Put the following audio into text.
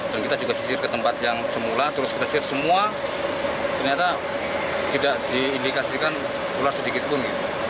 dan kita juga sisir ke tempat yang semula terus kita sisir semua ternyata tidak diindikasikan ular sedikit pun